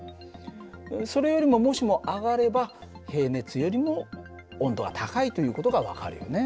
それよりももしも上がれば平熱よりも温度が高いという事が分かるよね。